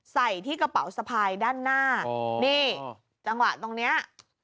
ใส่ที่กระเป๋าสะพายด้านหน้านี่จังหวะตรงเนี้ย